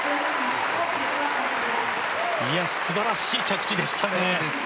素晴らしい着地でしたね。